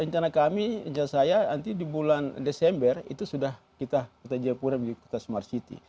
rencana kami rencana saya nanti di bulan desember itu sudah kita kota jayapura menjadi kota smart city